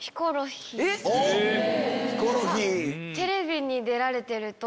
テレビに出られてると。